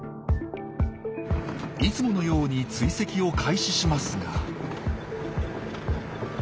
いつものように追跡を開始しますが。